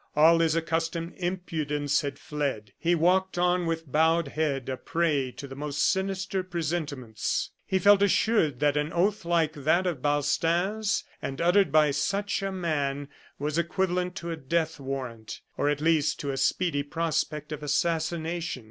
All his accustomed impudence had fled. He walked on with bowed head, a prey to the most sinister presentiments. He felt assured that an oath like that of Balstain's, and uttered by such a man, was equivalent to a death warrant, or at least to a speedy prospect of assassination.